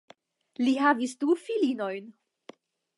Li havis du filinojn.